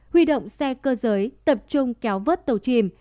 huy động xe cơ giới tập trung kéo vớt tàu chìm